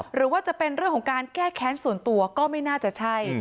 หรือว่าจะเป็นเรื่องของการแก้แค้นส่วนตัวก็ไม่น่าจะใช่